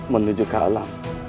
menuju ke alam